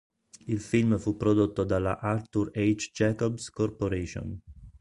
Il film fu prodotto dalla Arthur H. Jacobs Corporation.